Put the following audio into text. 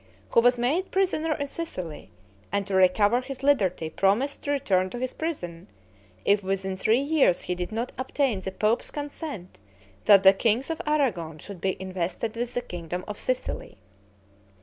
who was made prisoner in Sicily, and to recover his liberty promised to return to his prison, if within three years he did not obtain the pope's consent that the kings of Aragon should be invested with the kingdom of Sicily.